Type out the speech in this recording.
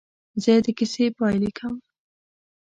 زه د کیسې پاې لیکم.